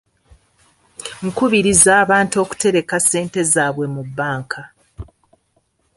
Nkubiriza abantu okutereka ssente zaabwe mu bbanka.